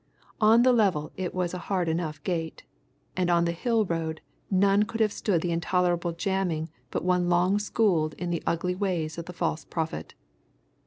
On the level it was a hard enough gait; and on the hill road none could have stood the intolerable jamming but one long schooled in the ugly ways of the False Prophet.